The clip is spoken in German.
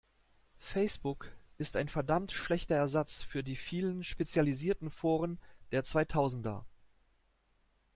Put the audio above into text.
Facebook ist ein verdammt schlechter Ersatz für die vielen spezialisierten Foren der zweitausender.